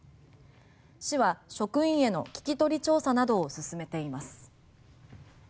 市は職員への聞き取り調査などを進めています。